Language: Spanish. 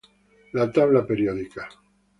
La tabla periódica.